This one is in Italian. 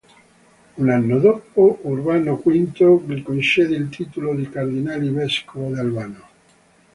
Un anno dopo, Urbano V gli concesse il titolo di cardinale-vescovo di Albano.